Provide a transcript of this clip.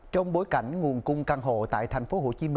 trong bối cảnh nguồn cung căn hộ tại tp hcm